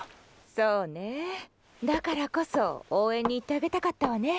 そうねぇだからこそ応援に行ってあげたかったわね。